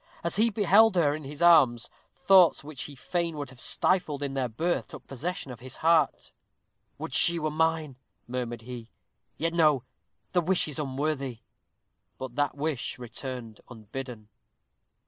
As he held her in his arms, thoughts which he fain would have stifled in their birth took possession of his heart. "Would she were mine!" murmured he. "Yet no! the wish is unworthy." But that wish returned unbidden.